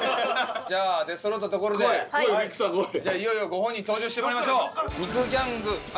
じゃあいよいよご本人に登場してもらいましょう。